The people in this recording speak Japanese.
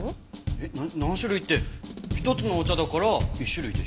えっ何種類って一つのお茶だから１種類でしょ？